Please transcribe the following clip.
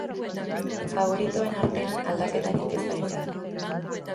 Faboritoen artean aldaketarik ez da izan.